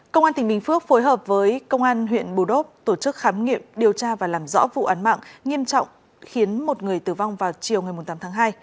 công an tỉnh bình phước phối hợp với công an huyện bù đốp tổ chức khám nghiệm điều tra và làm rõ vụ án mạng nghiêm trọng khiến một người tử vong vào chiều ngày tám tháng hai